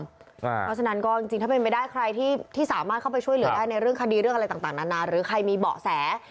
เพราะฉะนั้นก็จริงถ้าเป็นไปได้ใครที่สามารถเข้าไปช่วยเหลือได้ในเรื่องคดีเรื่องอะไรต่างนานาหรือใครมีเบาะแส